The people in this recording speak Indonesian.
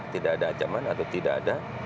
tidak ada ancaman atau tidak ada